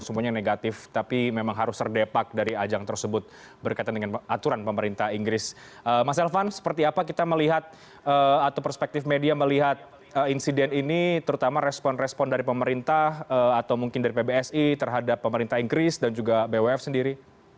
mas elvan seperti apa kita melihat atau perspektif media melihat insiden ini terutama respon respon dari pemerintah atau mungkin dari pbsi terhadap pemerintah inggris dan juga bwf sendiri